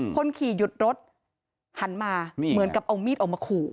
คนขี่หยุดรถหันมาเหมือนกับเอามีดออกมาขู่